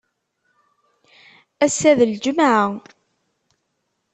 Assa d lǧemεa.